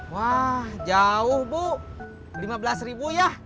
wah jauh bu lima belas ribu ya